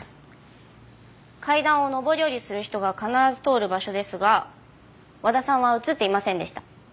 階段を上り下りする人が必ず通る場所ですが和田さんは映っていませんでした。